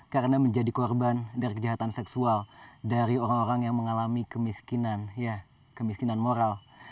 karena menjadi korban dari kejahatan seksual dari orang orang yang mengalami kemiskinan ya kemiskinan moral